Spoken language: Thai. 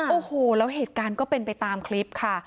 โอ้โหแล้วเหตุการณ์ก็เป็นไปตามคลิปค่ะ